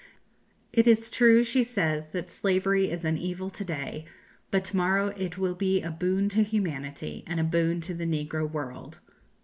It is true, she says, that slavery is an evil to day, but to morrow it will be a boon to humanity, and a boon to the negro world.